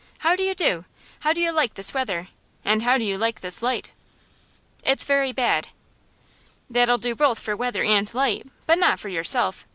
How do you do? How do you like this weather? And how do you like this light?' 'It's very bad.' 'That'll do both for weather and light, but not for yourself.